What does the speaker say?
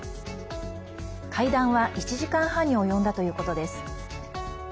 会談は１時間半に及んだということです。